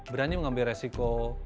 berani mengambil resiko